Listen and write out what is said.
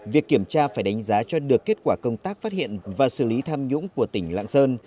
việc kiểm tra phải đánh giá cho được kết quả công tác phát hiện và xử lý tham nhũng của tỉnh lạng sơn